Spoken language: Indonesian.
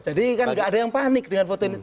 jadi kan nggak ada yang panik dengan foto ini